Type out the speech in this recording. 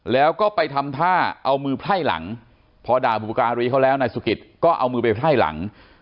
แล้วก็ไปทำท่าเอามือไพ่หลังพอด่าบุพการีเขาแล้วนายสุกิตก็เอามือไปไพ่หลัง